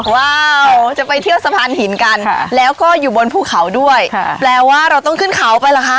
ว้าวจะไปเที่ยวสะพานหินกันแล้วก็อยู่บนภูเขาด้วยแปลว่าเราต้องขึ้นเขาไปเหรอคะ